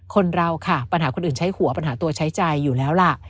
คนเราค่ะปัญหาคนอื่นใช้หัวปัญหาตัวใช้ใจอยู่แล้วล่ะ